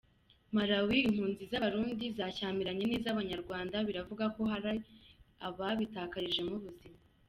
Malawi: Impunzi z’Abarundi zashyamiranye n’iz’Abanyarwanda biravugwa ko hari ababitakarijemo ubuzima.